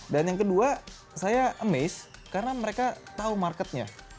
dan yang kedua saya amazed karena mereka tahu marketnya